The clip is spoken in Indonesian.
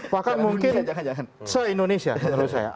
bahkan mungkin se indonesia menurut saya